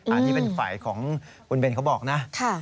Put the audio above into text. อันนี้เป็นฝ่ายของคุณเบนเขาบอกนะ